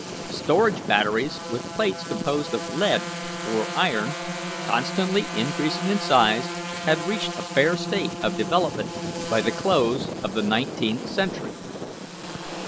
Storage batteries, with plates composed of lead or iron, constantly increasing in size, had reached a fair state of development by the close of the nineteenth century.